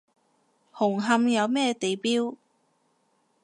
紅磡有咩地標？